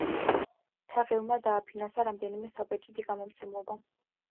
თაღიევმა დააფინანსა რამდენიმე საბეჭდი გამომცემლობა.